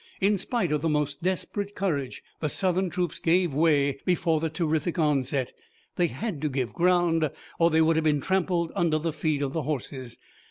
In spite of the most desperate courage, the Southern troops gave way before the terrific onset they had to give ground or they would have been trampled under the feet of the horses.